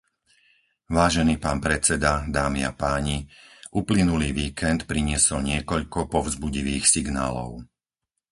Vážený pán predseda, dámy a páni, uplynulý víkend priniesol niekoľko povzbudivých signálov.